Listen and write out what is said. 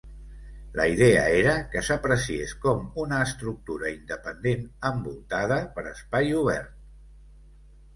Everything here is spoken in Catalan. La idea era que s'apreciés com una estructura independent envoltada per espai obert.